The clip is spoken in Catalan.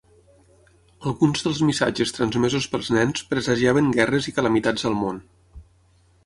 Alguns dels missatges transmesos pels nens presagiaven guerres i calamitats al món.